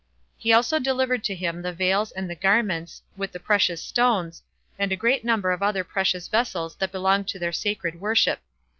He also delivered to him the veils and the garments, with the precious stones, and a great number of other precious vessels that belonged to their sacred worship.